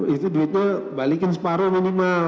itu duitnya balikin separuh minimal